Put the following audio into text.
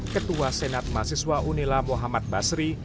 ketua senat mahasiswa unila muhammad basri